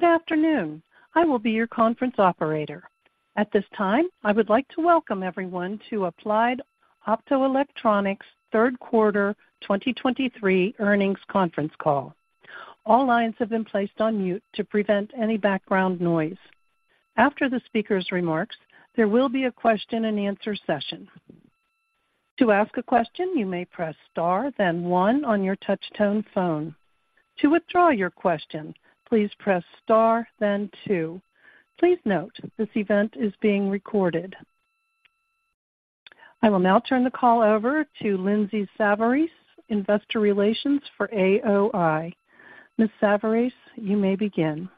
Good afternoon. I will be your conference operator. At this time, I would like to welcome everyone to Applied Optoelectronics third quarter 2023 earnings conference call. All lines have been placed on mute to prevent any background noise. After the speaker's remarks, there will be a question-and-answer session. To ask a question, you may press star then one on your touchtone phone. To withdraw your question, please press star then two. Please note, this event is being recorded. I will now turn the call over to Lindsay Savarese, Investor Relations for AOI. Ms. Savarese, you may begin.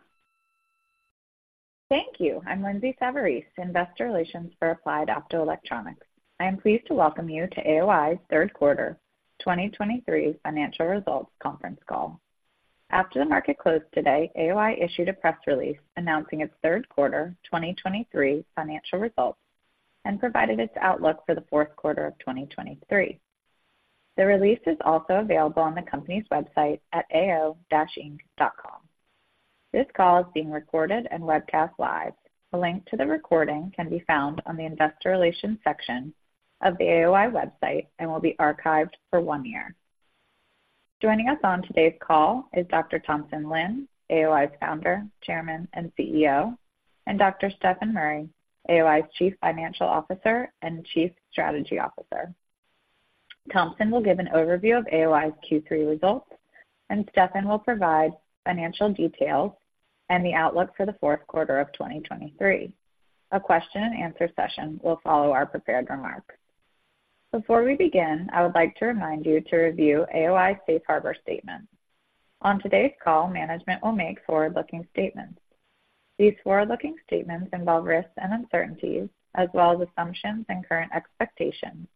Thank you. I'm Lindsay Savarese, Investor Relations for Applied Optoelectronics. I am pleased to welcome you to AOI's third quarter 2023 financial results conference call. After the market closed today, AOI issued a press release announcing its third quarter 2023 financial results and provided its outlook for the fourth quarter of 2023. The release is also available on the company's website at ao-inc.com. This call is being recorded and webcast live. A link to the recording can be found on the Investor Relations section of the AOI website and will be archived for one year. Joining us on today's call is Dr. Thompson Lin, AOI's Founder, Chairman, and CEO, and Dr. Stefan Murry, AOI's Chief Financial Officer and Chief Strategy Officer. Thompson will give an overview of AOI's Q3 results, and Stefan will provide financial details and the outlook for the fourth quarter of 2023. A question-and-answer session will follow our prepared remarks. Before we begin, I would like to remind you to review AOI's Safe Harbor statement. On today's call, management will make forward-looking statements. These forward-looking statements involve risks and uncertainties as well as assumptions and current expectations,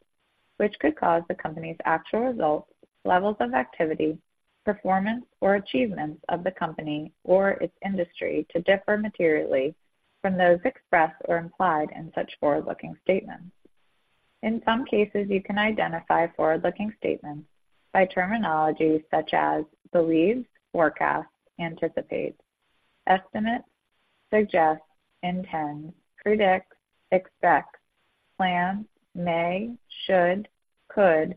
which could cause the company's actual results, levels of activity, performance, or achievements of the company or its industry to differ materially from those expressed or implied in such forward-looking statements. In some cases, you can identify forward-looking statements by terminology such as believes, forecast, anticipate, estimate, suggest, intend, predict, expect, plan, may, should, could,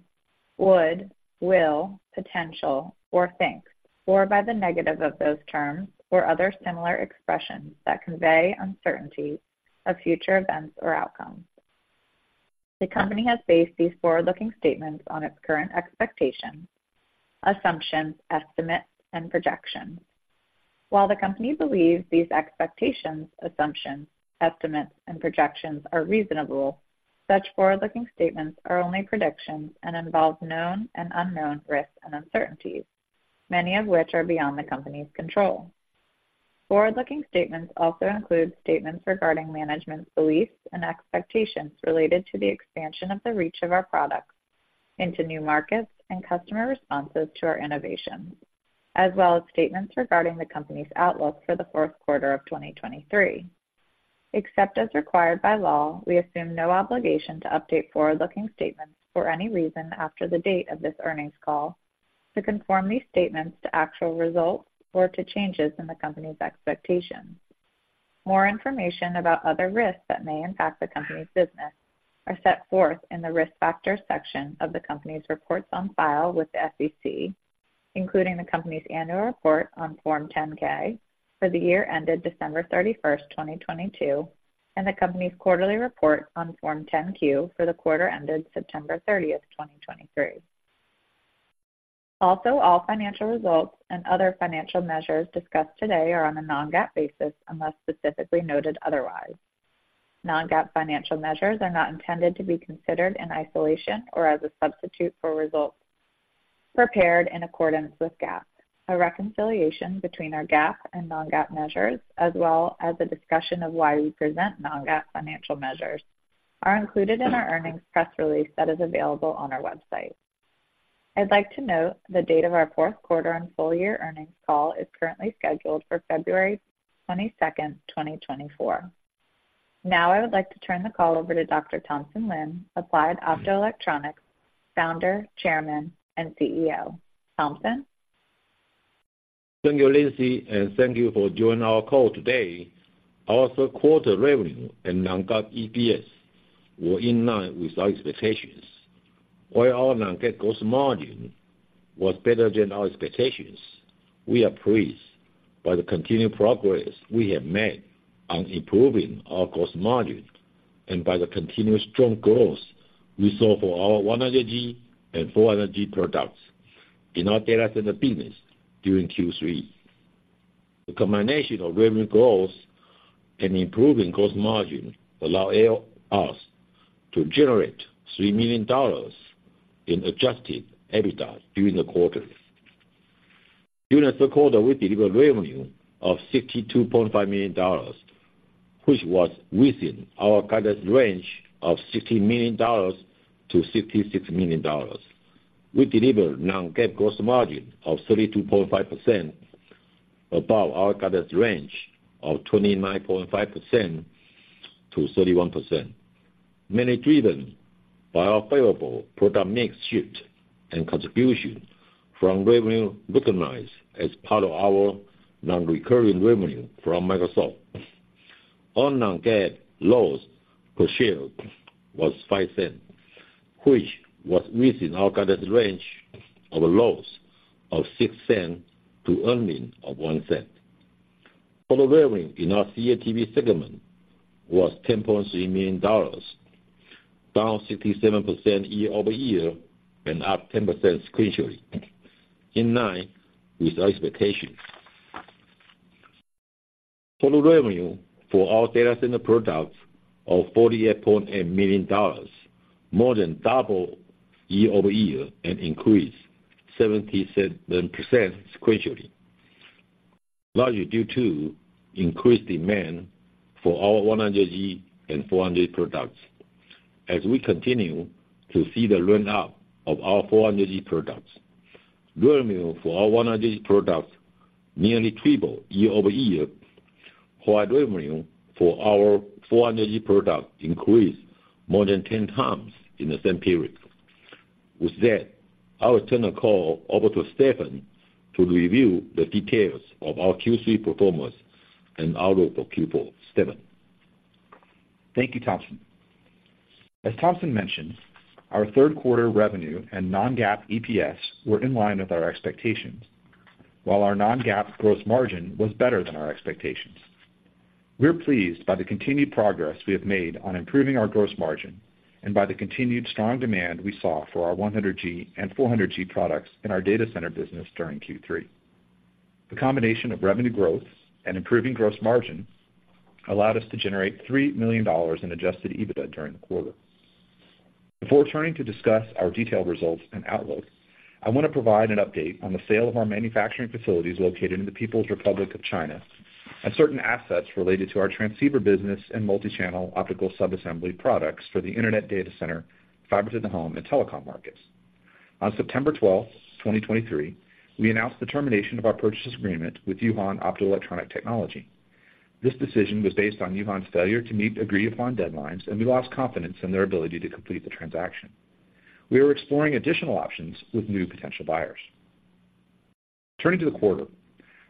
would, will, potential, or think, or by the negative of those terms or other similar expressions that convey uncertainty of future events or outcomes. The company has based these forward-looking statements on its current expectations, assumptions, estimates, and projections. While the company believes these expectations, assumptions, estimates, and projections are reasonable, such forward-looking statements are only predictions and involve known and unknown risks and uncertainties, many of which are beyond the company's control. Forward-looking statements also include statements regarding management's beliefs and expectations related to the expansion of the reach of our products into new markets and customer responses to our innovations, as well as statements regarding the company's outlook for the fourth quarter of 2023. Except as required by law, we assume no obligation to update forward-looking statements for any reason after the date of this earnings call to conform these statements to actual results or to changes in the company's expectations. More information about other risks that may impact the company's business are set forth in the Risk Factors section of the company's reports on file with the SEC, including the company's Annual Report on Form 10-K for the year-ended December 31st, 2022, and the company's quarterly report on Form 10-Q for the quarter-ended September 30th, 2023. Also, all financial results and other financial measures discussed today are on a non-GAAP basis, unless specifically noted otherwise. Non-GAAP financial measures are not intended to be considered in isolation or as a substitute for results prepared in accordance with GAAP. A reconciliation between our GAAP and non-GAAP measures, as well as a discussion of why we present non-GAAP financial measures, are included in our earnings press release that is available on our website. I'd like to note the date of our fourth quarter and full-year earnings call is currently scheduled for February 22, 2024. Now I would like to turn the call over to Dr. Thompson Lin, Applied Optoelectronics Founder, Chairman, and CEO. Thompson? Thank you, Lindsay, and thank you for joining our call today. Our third quarter revenue and non-GAAP EPS were in line with our expectations, while our non-GAAP gross margin was better than our expectations. We are pleased by the continued progress we have made on improving our cost margin and by the continued strong growth we saw for our 100G and 400G products in our data center business during Q3. The combination of revenue growth and improving cost margin allow us to generate $3 million in adjusted EBITDA during the quarter. During the third quarter, we delivered revenue of $62.5 million, which was within our guidance range of $60 million-$66 million. We delivered non-GAAP gross margin of 32.5%, above our guidance range of 29.5%-31%. Mainly driven by our favorable product mix shift and contribution from revenue recognized as part of our nonrecurring revenue from Microsoft. Our non-GAAP loss per share was $0.05, which was within our guidance range of a loss of $0.06 to earnings of $0.01. Total revenue in our CATV segment was $10.3 million, down 67% year-over-year and up 10% sequentially, in line with our expectations. Total revenue for our data center products of $48.8 million, more than double year-over-year and increased 77% sequentially, largely due to increased demand for our 100G and 400G products. As we continue to see the run up of our 400G products, revenue for our 100G products nearly tripled year-over-year, while revenue for our 400G products increased more than 10x in the same period. With that, I will turn the call over to Stefan to review the details of our Q3 performance and outlook for Q4. Stefan? Thank you, Thompson. As Thompson mentioned, our third quarter revenue and non-GAAP EPS were in line with our expectations, while our non-GAAP gross margin was better than our expectations. We're pleased by the continued progress we have made on improving our gross margin and by the continued strong demand we saw for our 100G and 400G products in our data center business during Q3. The combination of revenue growth and improving gross margin allowed us to generate $3 million in adjusted EBITDA during the quarter. Before turning to discuss our detailed results and outlook, I want to provide an update on the sale of our manufacturing facilities located in the People's Republic of China and certain assets related to our transceiver business and multi-channel optical sub-assembly products for the internet data center, fiber to the home, and telecom markets. On September 12, 2023, we announced the termination of our purchase agreement with Yuhan Optoelectronic Technology. This decision was based on Yuhan's failure to meet agreed-upon deadlines, and we lost confidence in their ability to complete the transaction. We are exploring additional options with new potential buyers. Turning to the quarter.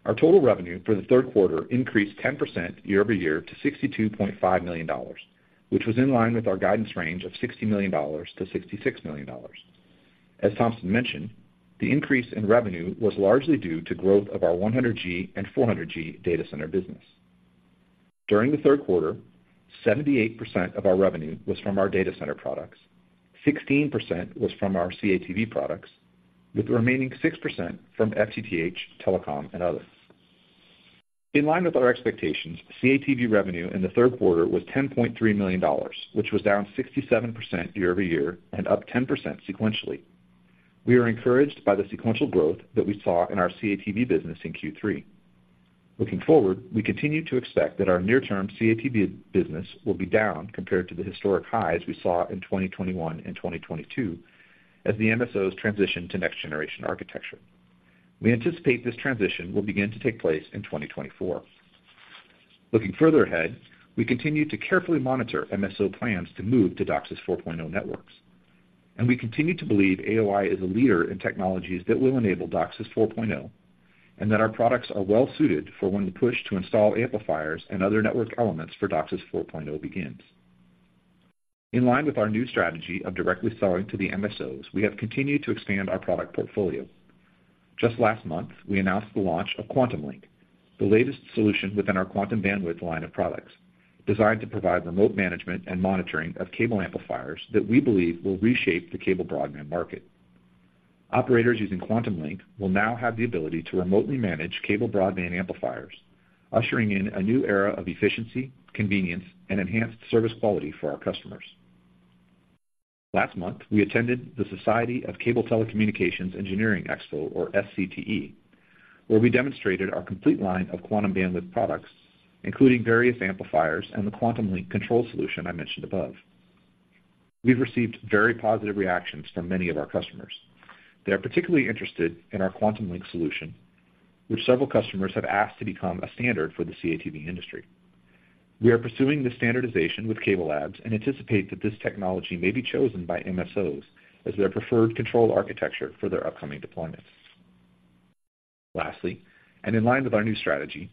Our total revenue for the third quarter increased 10% year-over-year to $62.5 million, which was in line with our guidance range of $60 million-$66 million. As Thompson mentioned, the increase in revenue was largely due to growth of our 100G and 400G data center business. During the third quarter, 78% of our revenue was from our data center products, 16% was from our CATV products, with the remaining 6% from FTTH, telecom, and others. In line with our expectations, CATV revenue in the third quarter was $10.3 million, which was down 67% year over year and up 10% sequentially. We are encouraged by the sequential growth that we saw in our CATV business in Q3. Looking forward, we continue to expect that our near-term CATV business will be down compared to the historic highs we saw in 2021 and 2022, as the MSOs transition to next-generation architecture. We anticipate this transition will begin to take place in 2024. Looking further ahead, we continue to carefully monitor MSO plans to move to DOCSIS 4.0 networks, and we continue to believe AOI is a leader in technologies that will enable DOCSIS 4.0, and that our products are well suited for when the push to install amplifiers and other network elements for DOCSIS 4.0 begins. In line with our new strategy of directly selling to the MSOs, we have continued to expand our product portfolio. Just last month, we announced the launch of QuantumLink, the latest solution within our Quantum Bandwidth line of products, designed to provide remote management and monitoring of cable amplifiers that we believe will reshape the cable broadband market. Operators using QuantumLink will now have the ability to remotely manage cable broadband amplifiers, ushering in a new era of efficiency, convenience, and enhanced service quality for our customers. Last month, we attended the Society of Cable Telecommunications Engineers Expo, or SCTE, where we demonstrated our complete line of Quantum Bandwidth products, including various amplifiers and the QuantumLink control solution I mentioned above. We've received very positive reactions from many of our customers. They are particularly interested in our QuantumLink solution, which several customers have asked to become a standard for the CATV industry. We are pursuing this standardization with CableLabs and anticipate that this technology may be chosen by MSOs as their preferred control architecture for their upcoming deployments. Lastly, and in line with our new strategy,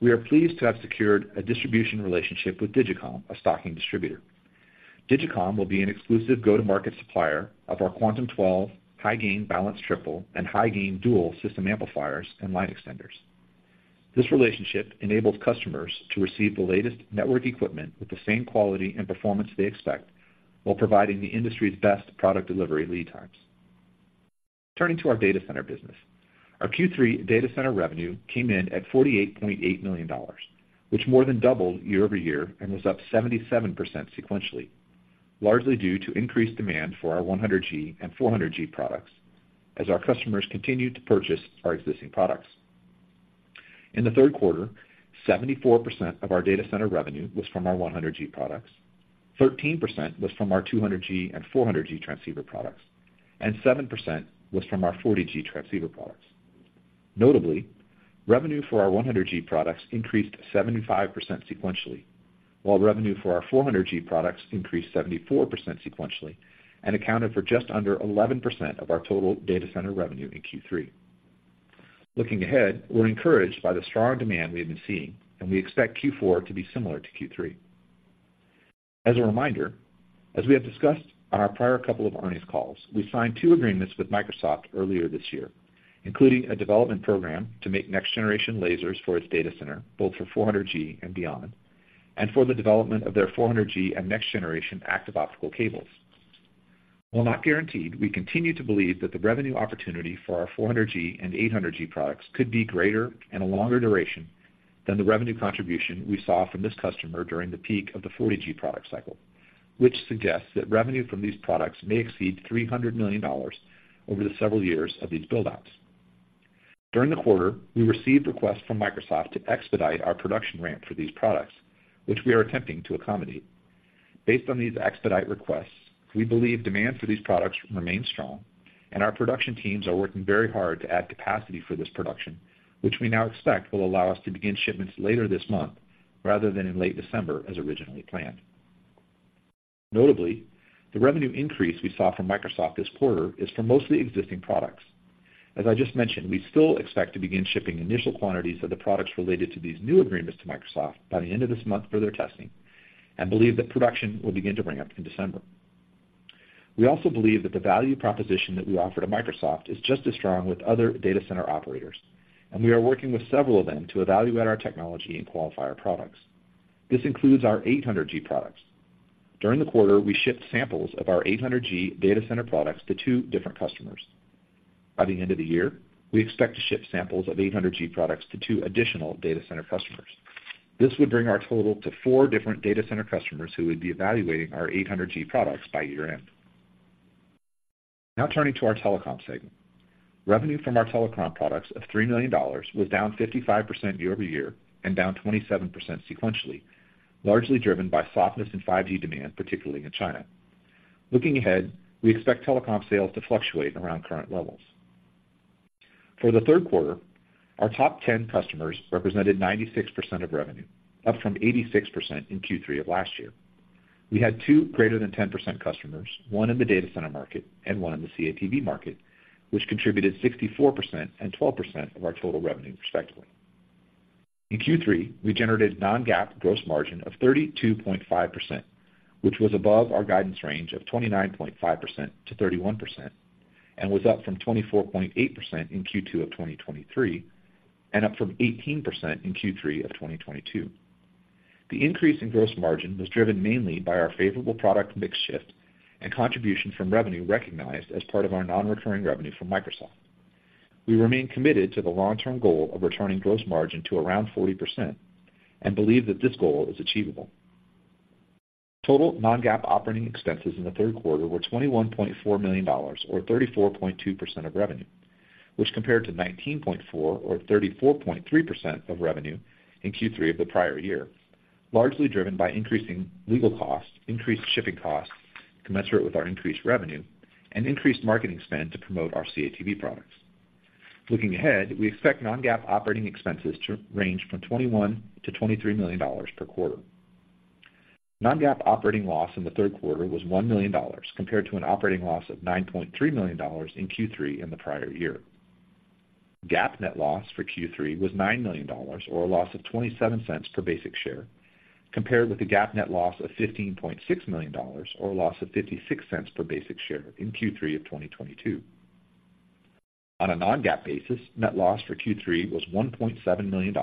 we are pleased to have secured a distribution relationship with Digicomm, a stocking distributor. Digicomm will be an exclusive go-to-market supplier of our Quantum12 high-gain balanced triple and high-gain dual system amplifiers and line extenders. This relationship enables customers to receive the latest network equipment with the same quality and performance they expect, while providing the industry's best product delivery lead times. Turning to our data center business. Our Q3 data center revenue came in at $48.8 million, which more than doubled year-over-year and was up 77% sequentially, largely due to increased demand for our 100G and 400G products as our customers continued to purchase our existing products. In the third quarter, 74% of our data center revenue was from our 100G products, 13% was from our 200G and 400G transceiver products, and 7% was from our 40G transceiver products.... Notably, revenue for our 100G products increased 75% sequentially, while revenue for our 400G products increased 74% sequentially and accounted for just under 11% of our total data center revenue in Q3. Looking ahead, we're encouraged by the strong demand we have been seeing, and we expect Q4 to be similar to Q3. As a reminder, as we have discussed on our prior couple of earnings calls, we signed two agreements with Microsoft earlier this year, including a development program to make next-generation lasers for its data center, both for 400G and beyond, and for the development of their 400G and next-generation active optical cables. While not guaranteed, we continue to believe that the revenue opportunity for our 400G and 800G products could be greater and a longer duration than the revenue contribution we saw from this customer during the peak of the 40G product cycle, which suggests that revenue from these products may exceed $300 million over the several years of these build-outs. During the quarter, we received requests from Microsoft to expedite our production ramp for these products, which we are attempting to accommodate. Based on these expedite requests, we believe demand for these products remains strong, and our production teams are working very hard to add capacity for this production, which we now expect will allow us to begin shipments later this month rather than in late December, as originally planned. Notably, the revenue increase we saw from Microsoft this quarter is for mostly existing products. As I just mentioned, we still expect to begin shipping initial quantities of the products related to these new agreements to Microsoft by the end of this month for their testing and believe that production will begin to ramp up in December. We also believe that the value proposition that we offer to Microsoft is just as strong with other data center operators, and we are working with several of them to evaluate our technology and qualify our products. This includes our 800G products. During the quarter, we shipped samples of our 800G data center products to two different customers. By the end of the year, we expect to ship samples of 800G products to two additional data center customers. This would bring our total to 4 different data center customers who would be evaluating our 800G products by year-end. Now turning to our telecom segment. Revenue from our telecom products of $3 million was down 55% year-over-year and down 27% sequentially, largely driven by softness in 5G demand, particularly in China. Looking ahead, we expect telecom sales to fluctuate around current levels. For the third quarter, our top 10 customers represented 96% of revenue, up from 86% in Q3 of last year. We had two greater than 10% customers, one in the data center market and one in the CATV market, which contributed 64% and 12% of our total revenue, respectively. In Q3, we generated non-GAAP gross margin of 32.5%, which was above our guidance range of 29.5%-31% and was up from 24.8% in Q2 of 2023 and up from 18% in Q3 of 2022. The increase in gross margin was driven mainly by our favorable product mix shift and contribution from revenue recognized as part of our non-recurring revenue from Microsoft. We remain committed to the long-term goal of returning gross margin to around 40% and believe that this goal is achievable. Total Non-GAAP operating expenses in the third quarter were $21.4 million, or 34.2% of revenue, which compared to 19.4% or 34.3% of revenue in Q3 of the prior year, largely driven by increasing legal costs, increased shipping costs commensurate with our increased revenue, and increased marketing spend to promote our CATV products. Looking ahead, we expect Non-GAAP operating expenses to range from $21-$23 million per quarter. Non-GAAP operating loss in the third quarter was $1 million, compared to an operating loss of $9.3 million in Q3 in the prior year. GAAP net loss for Q3 was $9 million, or a loss of 27 cents per basic share, compared with a GAAP net loss of $15.6 million, or a loss of 56 cents per basic share in Q3 of 2022. On a non-GAAP basis, net loss for Q3 was $1.7 million,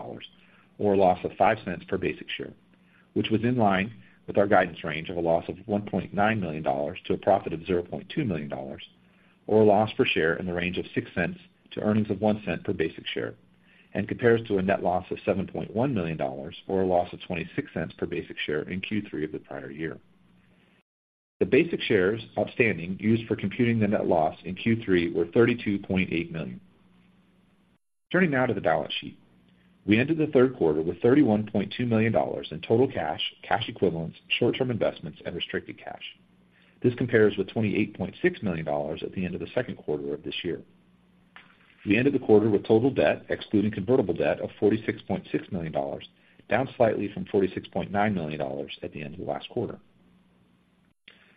or a loss of 5 cents per basic share, which was in line with our guidance range of a loss of $1.9 million to a profit of $0.2 million, or a loss per share in the range of 6 cents to earnings of 1 cent per basic share, and compares to a net loss of $7.1 million or a loss of 26 cents per basic share in Q3 of the prior year. The basic shares outstanding used for computing the net loss in Q3 were 32.8 million. Turning now to the balance sheet. We ended the third quarter with $31.2 million in total cash, cash equivalents, short-term investments, and restricted cash. This compares with $28.6 million at the end of the second quarter of this year. We ended the quarter with total debt, excluding convertible debt, of $46.6 million, down slightly from $46.9 million at the end of last quarter.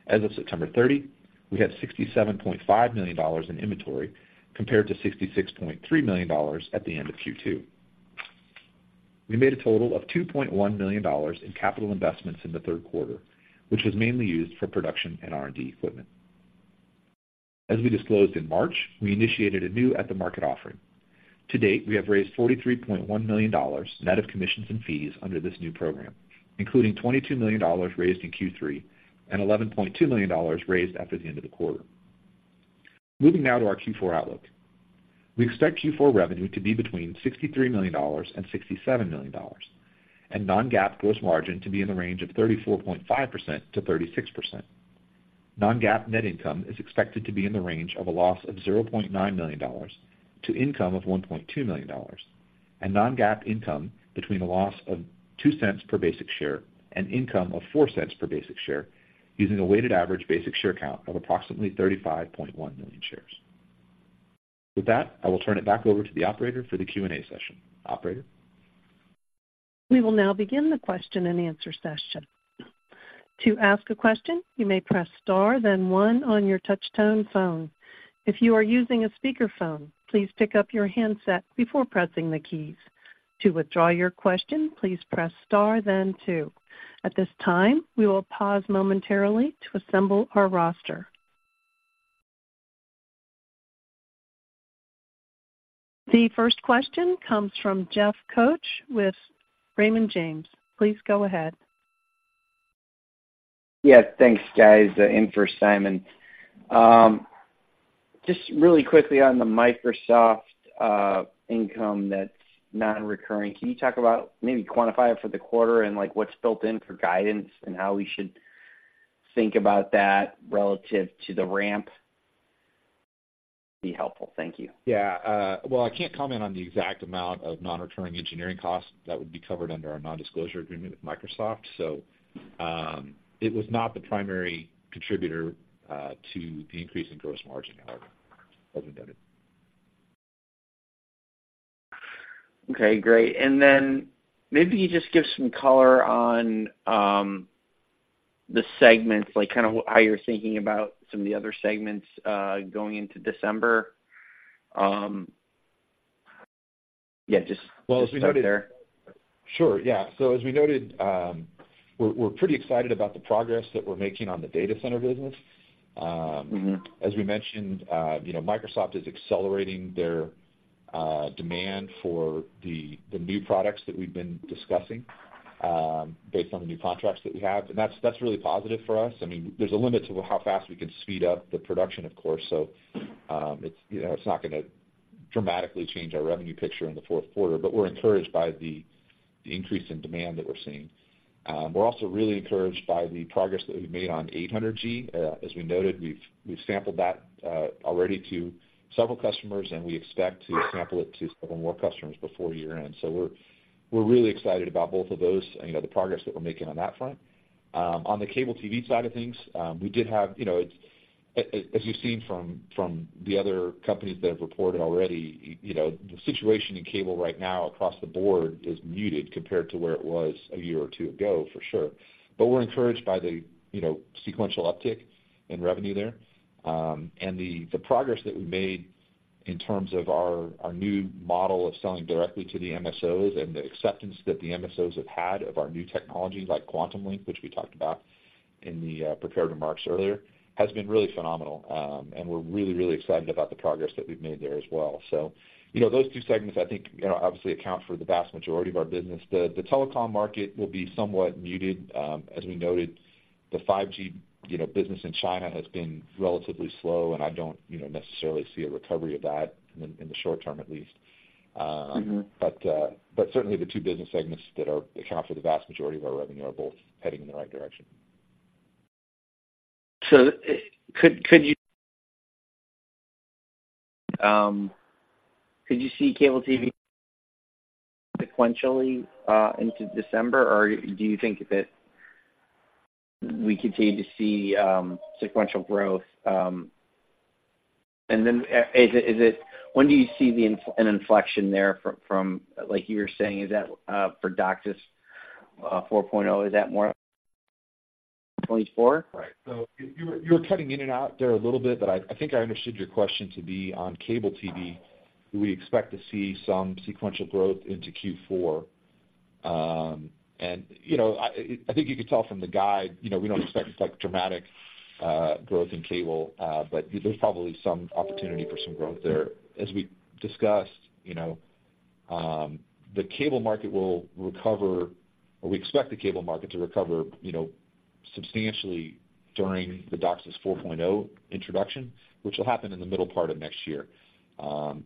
As of September 30, we had $67.5 million in inventory, compared to $66.3 million at the end of Q2. We made a total of $2.1 million in capital investments in the third quarter, which was mainly used for production and R&D equipment. As we disclosed in March, we initiated a new at-the-market offering. To date, we have raised $43.1 million, net of commissions and fees, under this new program, including $22 million raised in Q3 and $11.2 million raised after the end of the quarter. Moving now to our Q4 outlook. We expect Q4 revenue to be between $63 million and $67 million, and non-GAAP gross margin to be in the range of 34.5% to 36%. Non-GAAP net income is expected to be in the range of a loss of $0.9 million to income of $1.2 million... and non-GAAP income between a loss of $0.02 per basic share and income of $0.04 per basic share, using a weighted average basic share count of approximately 35.1 million shares. With that, I will turn it back over to the operator for the Q&A session. Operator? We will now begin the question-and-answer session. To ask a question, you may press Star, then one on your touchtone phone. If you are using a speakerphone, please pick up your handset before pressing the keys. To withdraw your question, please press Star then two. At this time, we will pause momentarily to assemble our roster. The first question comes from Jeff Couch with Raymond James. Please go ahead. Yes, thanks, guys, and for Simon. Just really quickly on the Microsoft income that's non-recurring, can you talk about, maybe quantify it for the quarter and, like, what's built in for guidance and how we should think about that relative to the ramp? Be helpful. Thank you. Yeah. Well, I can't comment on the exact amount of non-recurring engineering costs that would be covered under our non-disclosure agreement with Microsoft. So, it was not the primary contributor to the increase in gross margin, however, as we noted. Okay, great. And then maybe you just give some color on the segments, like kind of how you're thinking about some of the other segments, going into December. Yeah, just- Well, as we noted- -start there. Sure. Yeah. So as we noted, we're pretty excited about the progress that we're making on the data center business. As we mentioned, you know, Microsoft is accelerating their demand for the new products that we've been discussing, based on the new contracts that we have. And that's really positive for us. I mean, there's a limit to how fast we can speed up the production, of course. So, you know, it's not gonna dramatically change our revenue picture in the fourth quarter, but we're encouraged by the increase in demand that we're seeing. We're also really encouraged by the progress that we've made on 800G. As we noted, we've sampled that already to several customers, and we expect to sample it to several more customers before year-end. So we're really excited about both of those, you know, the progress that we're making on that front. On the cable TV side of things, we did have, you know, as you've seen from the other companies that have reported already, you know, the situation in cable right now across the board is muted compared to where it was a year or two ago, for sure. But we're encouraged by the, you know, sequential uptick in revenue there. And the progress that we made in terms of our new model of selling directly to the MSOs and the acceptance that the MSOs have had of our new technologies, like QuantumLink, which we talked about in the prepared remarks earlier, has been really phenomenal. And we're really, really excited about the progress that we've made there as well. So, you know, those two segments, I think, you know, obviously account for the vast majority of our business. The telecom market will be somewhat muted. As we noted, the 5G, you know, business in China has been relatively slow, and I don't, you know, necessarily see a recovery of that in the short-term at least. But certainly the two business segments that account for the vast majority of our revenue are both heading in the right direction. So, could you see cable TV sequentially into December, or do you think that we continue to see sequential growth? And then, when do you see the inflection there from, from like you were saying, is that for DOCSIS 4.0, is that more 2024? Right. So you were cutting in and out there a little bit, but I think I understood your question to be on cable TV. Do we expect to see some sequential growth into Q4? And, you know, I think you could tell from the guide, you know, we don't expect, like, dramatic growth in cable, but there's probably some opportunity for some growth there. As we discussed, you know, the cable market will recover, or we expect the cable market to recover, you know, substantially during the DOCSIS 4.0 introduction, which will happen in the middle part of next year.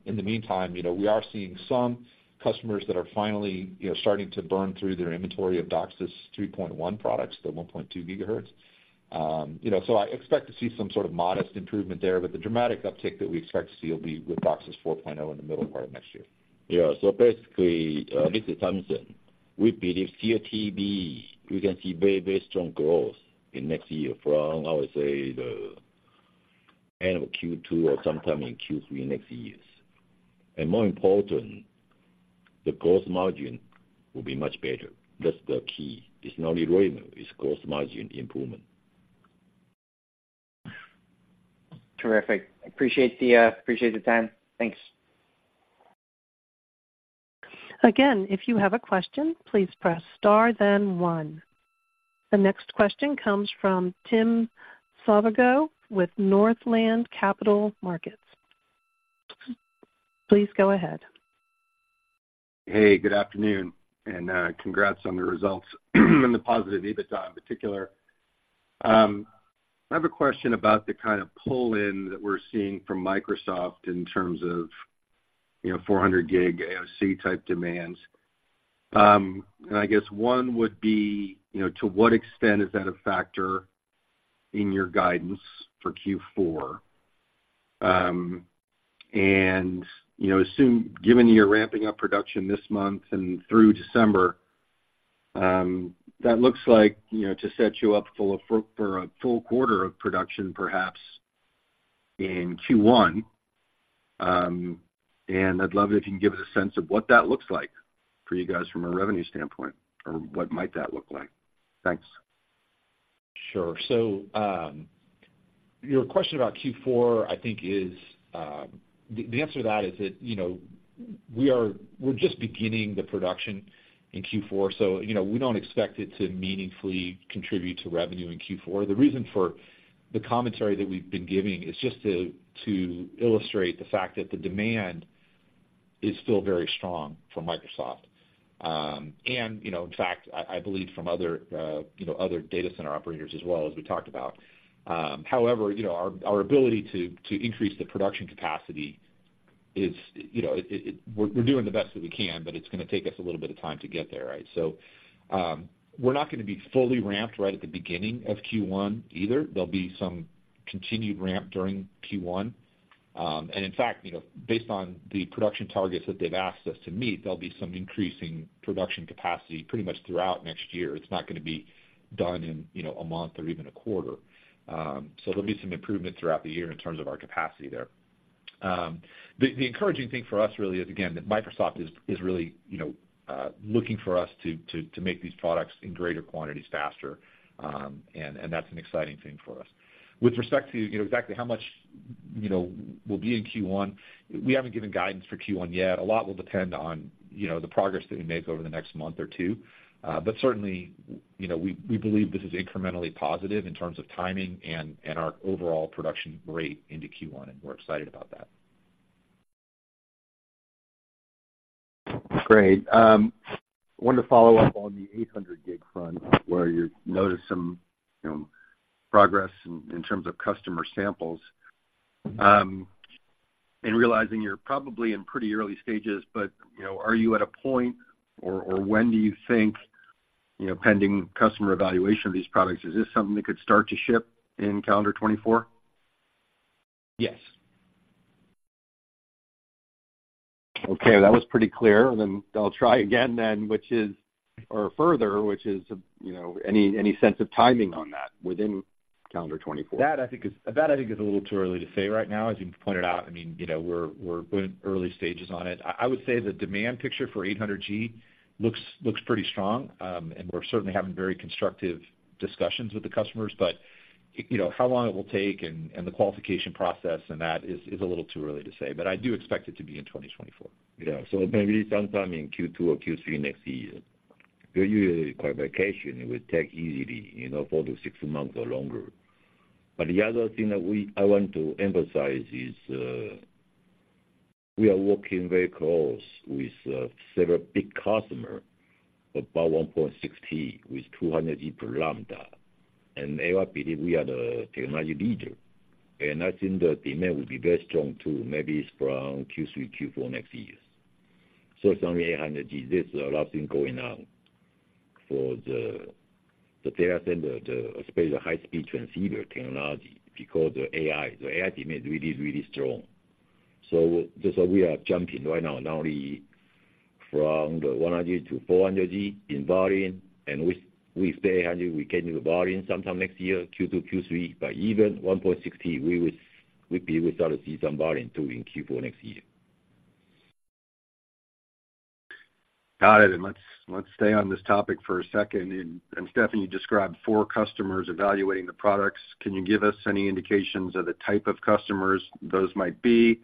In the meantime, you know, we are seeing some customers that are finally, you know, starting to burn through their inventory of DOCSIS 3.1 products, the 1.2 gigahertz. You know, so I expect to see some sort of modest improvement there, but the dramatic uptick that we expect to see will be with DOCSIS 4.0 in the middle part of next year. Yeah. So basically, this is Thompson. We believe in CATV, we can see very, very strong growth in next year from, I would say, the end of Q2 or sometime in Q3 next years. And more important, the gross margin will be much better. That's the key. It's not only revenue, it's gross margin improvement. Terrific. Appreciate the time. Thanks. Again, if you have a question, please press Star then one. The next question comes from Tim Savageaux with Northland Capital Markets. Please go ahead. Hey, good afternoon, and congrats on the results, and the positive EBITDA in particular. I have a question about the kind of pull-in that we're seeing from Microsoft in terms of, you know, 400G AOC type demands. And I guess one would be, you know, to what extent is that a factor in your guidance for Q4? And, you know, assume, given you're ramping up production this month and through December, that looks like, you know, to set you up for a full quarter of production, perhaps in Q1. And I'd love it if you can give us a sense of what that looks like for you guys from a revenue standpoint, or what might that look like? Thanks. Sure. So, your question about Q4, I think, is the answer to that is that, you know, we're just beginning the production in Q4, so, you know, we don't expect it to meaningfully contribute to revenue in Q4. The reason for the commentary that we've been giving is just to illustrate the fact that the demand is still very strong for Microsoft. And, you know, in fact, I believe from other, you know, other data center operators as well, as we talked about. However, you know, our ability to increase the production capacity is, you know, we're doing the best that we can, but it's gonna take us a little bit of time to get there, right? So, we're not gonna be fully ramped right at the beginning of Q1 either. There'll be some continued ramp during Q1. And in fact, you know, based on the production targets that they've asked us to meet, there'll be some increasing production capacity pretty much throughout next year. It's not gonna be done in, you know, a month or even a quarter. So there'll be some improvement throughout the year in terms of our capacity there. The encouraging thing for us really is, again, that Microsoft is really, you know, looking for us to make these products in greater quantities faster, and that's an exciting thing for us. With respect to, you know, exactly how much, you know, will be in Q1, we haven't given guidance for Q1 yet. A lot will depend on, you know, the progress that we make over the next month or two. But certainly, you know, we believe this is incrementally positive in terms of timing and our overall production rate into Q1, and we're excited about that. Great. Wanted to follow up on the 800G front, where you noted some, you know, progress in terms of customer samples. Realizing you're probably in pretty early stages, but, you know, are you at a point or when do you think, you know, pending customer evaluation of these products, is this something that could start to ship in calendar 2024? Yes. Okay, that was pretty clear, and then I'll try again, which is, you know, any sense of timing on that within calendar 2024? That I think is a little too early to say right now. As you pointed out, I mean, you know, we're going early stages on it. I would say the demand picture for 800G looks pretty strong, and we're certainly having very constructive discussions with the customers. But, you know, how long it will take and the qualification process and that is a little too early to say, but I do expect it to be in 2024. Yeah. So maybe sometime in Q2 or Q3 next year. Usually, qualification, it would take easily, you know, 4-6 months or longer. But the other thing that we—I want to emphasize is, we are working very close with several big customer, about 1.6T, with 200G per lambda. And they all believe we are the technology leader, and I think the demand will be very strong, too. Maybe it's from Q3, Q4 next year. So some 800G, there's a lot of things going on for the, the data center, the space, the high-speed transceiver technology, because the AI, the AI demand really is really strong. So that's why we are jumping right now, not only from the 100G-400G in volume, and with, with 800G, we get into volume sometime next year, Q2, Q3, but even 1.6T, we would, we be able to see some volume too in Q4 next year. Got it. Let's, let's stay on this topic for a second. Stephanie described four customers evaluating the products. Can you give us any indications of the type of customers those might be?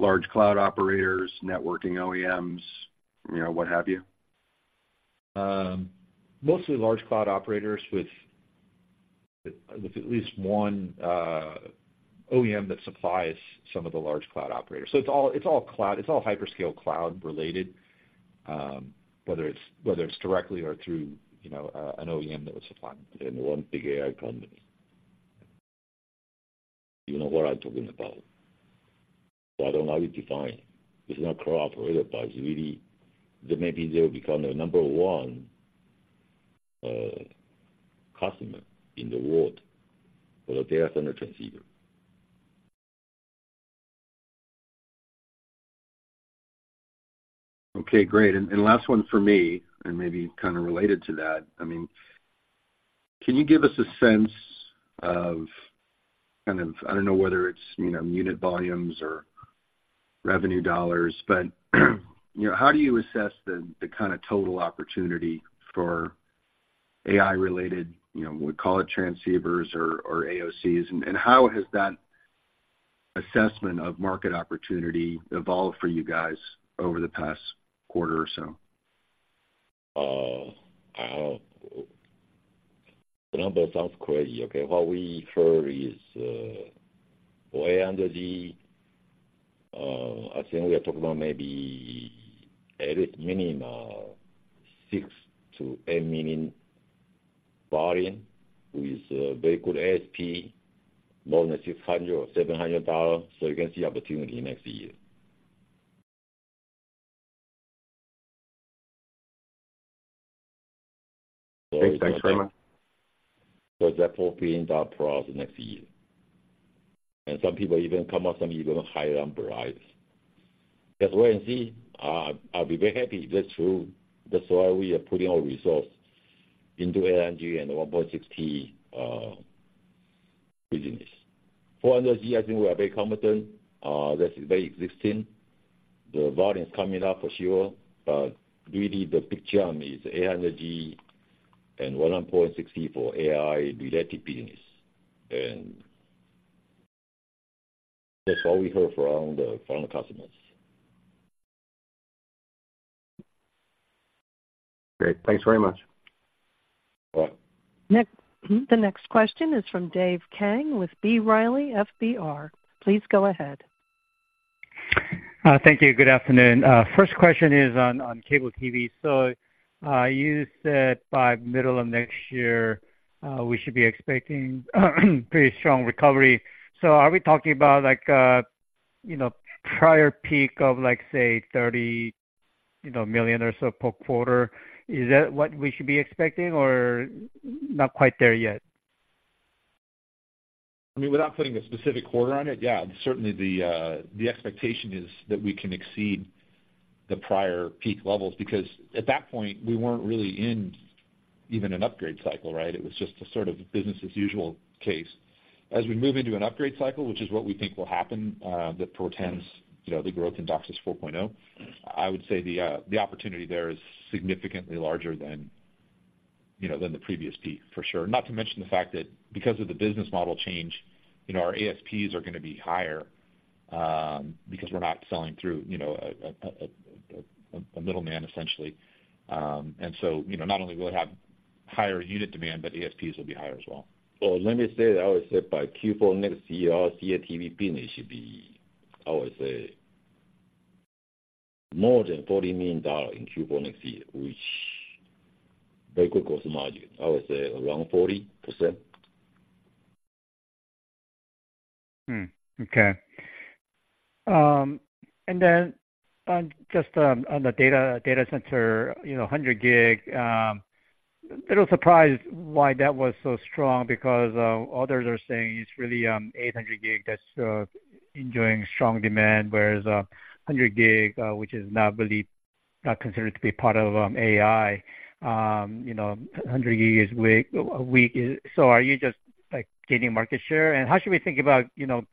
Large cloud operators, networking OEMs, you know, what have you? Mostly large cloud operators with at least one OEM that supplies some of the large cloud operators. So it's all, it's all cloud, it's all hyperscale cloud-related, whether it's directly or through, you know, an OEM that we supply. One big AI company. You know what I'm talking about. I don't know how you define. It's not cloud operator, but it's really... Maybe they'll become the number one customer in the world for the data center transceiver. Okay, great. And, and last one for me, and maybe kind of related to that, I mean, can you give us a sense of kind of, I don't know whether it's, you know, unit volumes or revenue dollars, but, you know, how do you assess the, the kind of total opportunity for AI-related, you know, we call it transceivers or, or AOCs? And, and how has that assessment of market opportunity evolved for you guys over the past quarter or so? The number sounds crazy, okay? What we heard is, for 800G, I think we are talking about maybe at least minimum, 6million-8 million volume, with very good ASP, more than $600 or $700, so you can see opportunity next year.... Thanks. Thanks very much. So that $4 billion for us next year. And some people even come up, some even higher number rise. As well, you see, I'll be very happy if that's true. That's why we are putting our resource into 800G and the 1.6T business. 400G, I think we are very competent, that is very exciting. The volume is coming up for sure, but really the big jump is 800G and 1.6T for AI-related business. And that's what we heard from the customers. Great. Thanks very much. Bye. Next, the next question is from Dave Kang with B. Riley, FBR. Please go ahead. Thank you. Good afternoon. First question is on cable TV. So, you said by middle of next year, we should be expecting pretty strong recovery. So are we talking about, like, you know, prior peak of, like, say, $30 million or so per quarter? Is that what we should be expecting, or not quite there yet? I mean, without putting a specific quarter on it, yeah, certainly the expectation is that we can exceed the prior peak levels, because at that point, we weren't really in even an upgrade cycle, right? It was just a sort of business as usual case. As we move into an upgrade cycle, which is what we think will happen, that portends, you know, the growth in DOCSIS 4.0, I would say the opportunity there is significantly larger than, you know, than the previous peak, for sure. Not to mention the fact that because of the business model change, you know, our ASPs are gonna be higher, because we're not selling through, you know, a middleman, essentially. And so, you know, not only will it have higher unit demand, but ASPs will be higher as well. Well, let me say that I would say by Q4 next year, our CATV business should be, I would say, more than $40 million in Q4 next year, which very good gross margin, I would say around 40%. Okay. And then on, just, on the data center, you know, 100G, a little surprised why that was so strong because, others are saying it's really, 800G that's enjoying strong demand, whereas, 100 gig, which is not believed, not considered to be part of, AI. You know, 100G is weak, weak. So are you just, like, gaining market share? And how should we think about, you know,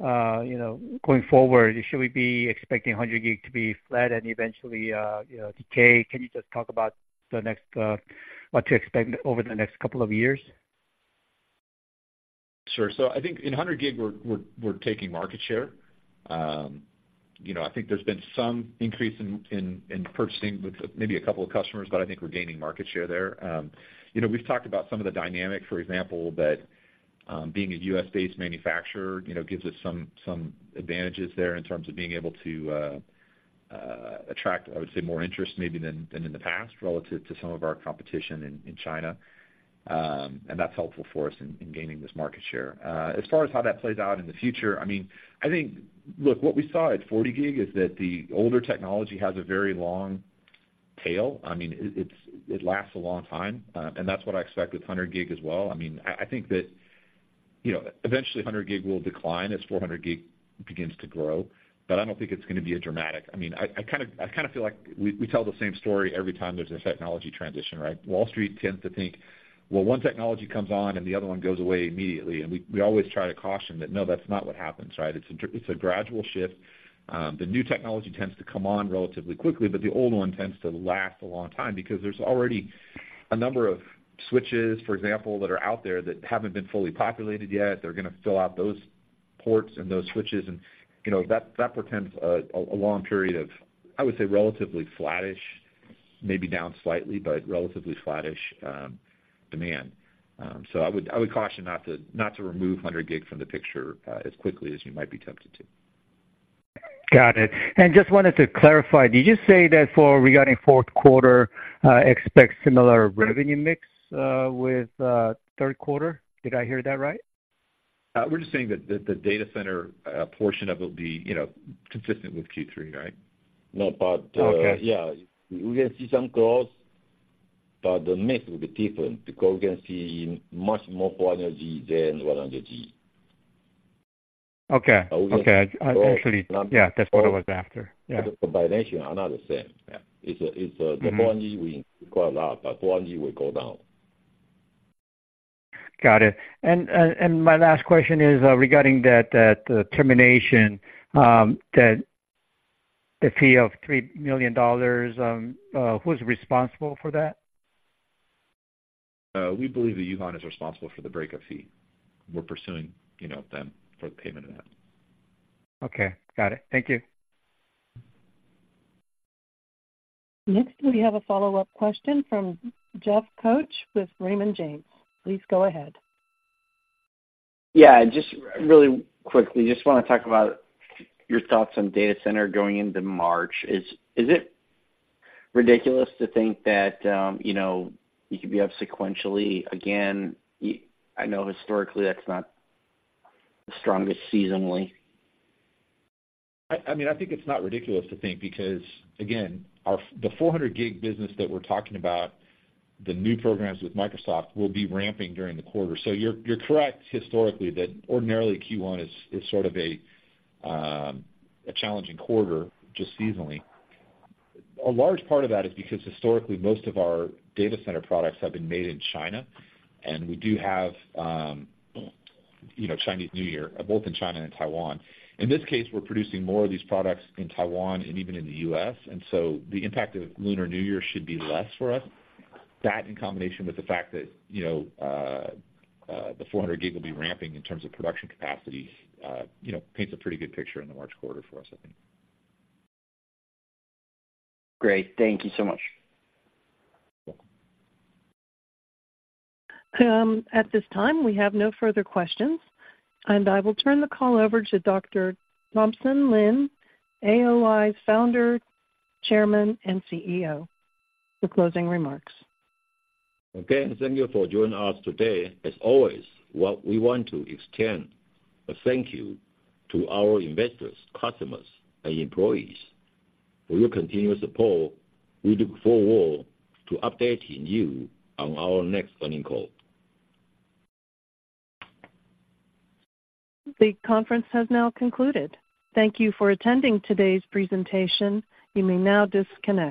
you know, going forward, should we be expecting 100G to be flat and eventually, you know, decay? Can you just talk about what to expect over the next couple of years? Sure. So I think in 100G, we're taking market share. You know, I think there's been some increase in purchasing with maybe a couple of customers, but I think we're gaining market share there. You know, we've talked about some of the dynamics, for example, that being a U.S.-based manufacturer gives us some advantages there in terms of being able to attract, I would say, more interest maybe than in the past, relative to some of our competition in China. And that's helpful for us in gaining this market share. As far as how that plays out in the future, I mean, I think... Look, what we saw at 40G is that the older technology has a very long tail. I mean, it lasts a long time, and that's what I expect with 100G as well. I mean, I think that, you know, eventually 100G will decline as 400G begins to grow, but I don't think it's gonna be a dramatic. I mean, I kind of feel like we tell the same story every time there's a technology transition, right? Wall Street tends to think, well, one technology comes on and the other one goes away immediately, and we always try to caution that, no, that's not what happens, right? It's a gradual shift. The new technology tends to come on relatively quickly, but the old one tends to last a long time because there's already a number of switches, for example, that are out there that haven't been fully populated yet. They're gonna fill out those ports and those switches, and, you know, that portends a long period of, I would say, relatively flattish, maybe down slightly, but relatively flattish, demand. So I would caution not to remove 100G from the picture as quickly as you might be tempted to. Got it. And just wanted to clarify, did you say that for regarding fourth quarter, expect similar revenue mix, with third quarter? Did I hear that right? We're just saying that the data center portion of it will be, you know, consistent with Q3, right? No, but, Okay. Yeah, we can see some growth, but the mix will be different because we can see much more 400G than 100G. Okay. Okay. Oh- Actually, yeah, that's what I was after. Yeah. The combination are not the same. Yeah. It's a- Mm-hmm... The 400G we quite a lot, but 400G will go down. Got it. And my last question is regarding that termination, that the fee of $3 million, who's responsible for that? We believe that Yuhan is responsible for the breakup fee. We're pursuing, you know, them for the payment of that. Okay. Got it. Thank you. Next, we have a follow-up question from Jeff Couch with Raymond James. Please go ahead. Yeah, just really quickly, just wanna talk about your thoughts on data center going into March. Is it ridiculous to think that, you know, you could be up sequentially again? I know historically, that's not the strongest seasonally. I mean, I think it's not ridiculous to think, because, again, our 400G business that we're talking about, the new programs with Microsoft will be ramping during the quarter. So you're correct, historically, that ordinarily Q1 is sort of a challenging quarter, just seasonally. A large part of that is because historically, most of our data center products have been made in China, and we do have, you know, Chinese New Year, both in China and Taiwan. In this case, we're producing more of these products in Taiwan and even in the U.S., and so the impact of Lunar New Year should be less for us. That, in combination with the fact that, you know, the 400G will be ramping in terms of production capacity, you know, paints a pretty good picture in the March quarter for us, I think. Great. Thank you so much. At this time, we have no further questions, and I will turn the call over to Dr. Thompson Lin, AOI's Founder, Chairman, and CEO, for closing remarks. Again, thank you for joining us today. As always, what we want to extend a thank you to our investors, customers, and employees. For your continuous support, we look forward to updating you on our next earnings call. The conference has now concluded. Thank you for attending today's presentation. You may now disconnect.